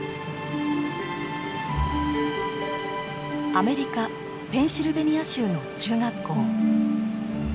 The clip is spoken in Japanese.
アメリカ・ペンシルベニア州の中学校。